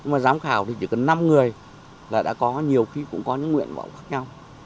mà giám khảo thì chỉ cần năm người là đã có nhiều khi cũng có những nguyện vọng khác nhau